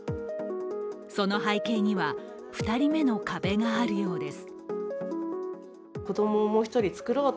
その背景には２人目の壁があるようです。